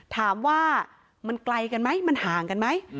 ถามว่ามันไกลกันไหมมันห่างกันไหม